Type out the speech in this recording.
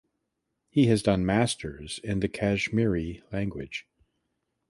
He has done masters in the Kashmiri language.